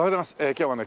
今日はね